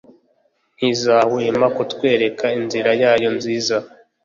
Ntizahwema kutwereka inzira yayo nziza